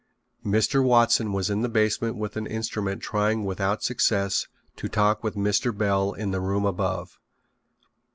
Mr. Watson was in the basement with an instrument trying without success to talk with Mr. Bell in the room above.